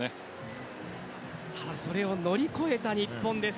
ただそれを乗り越えた日本です。